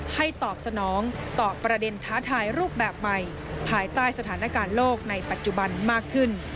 ตอบสนองต่อประเด็นท้าทายรูปแบบใหม่ภายใต้สถานการณ์โลกในปัจจุบันมากขึ้น